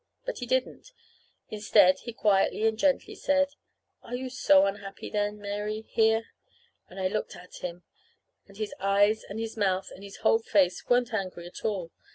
But he didn't. Instead, very quietly and gently he said: "Are you so unhappy, then, Mary here?" And I looked at him, and his eyes and his mouth and his whole face weren't angry at all.